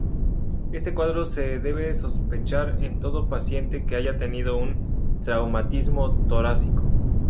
Este cuadro se debe sospechar en todo paciente que haya tenido un traumatismo torácico.